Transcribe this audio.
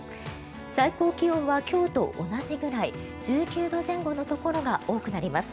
最高気温は今日と同じぐらい１９度前後のところが多くなります。